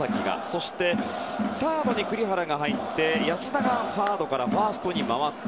そしてサードに栗原が入って安田がファーストに回った。